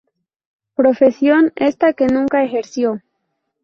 Profesión esta que nunca ejerció.